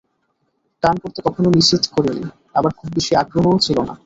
গান করতে কখনো নিষেধ করেনি, আবার খুব বেশি আগ্রহও ছিল না।